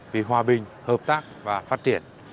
vì hòa bình hợp tác và phát triển